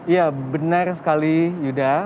iya benar sekali yudha